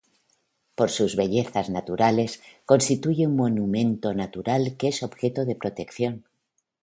Por sus bellezas naturales constituye un monumento natural que es objeto de protección.